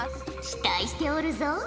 期待しておるぞ。